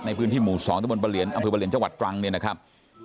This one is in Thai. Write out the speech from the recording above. ในพื้นที่หมู่๒ที่บนเบอร์เหรียญเอาคือเบอร์เหรียญจังหวัดตรังเนี่ยนะครับ